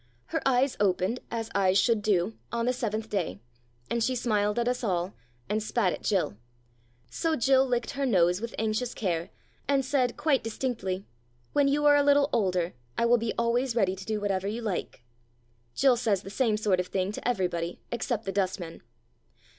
Her eyes opened, as eyes should do, on the seventh day, and she smiled at us all, and spat at Jill. So Jill licked her nose with anxious care, and said quite distinctly, " When you are a little older, I will be always ready to do whatever you like." Jill says the same sort of thing to everybody except the dustman.